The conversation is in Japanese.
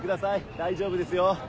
大丈夫ですよ。